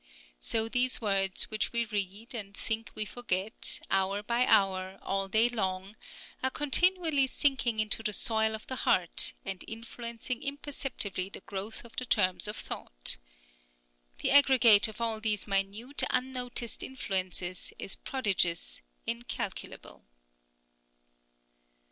So these words which we read, and think we forget, hour by hour, all day long, are continually sinking into the soil of the heart, and influencing imperceptibly the growth of the germs of thought. The aggregate of all these minute, unnoticed influences is prodigious, incalculable.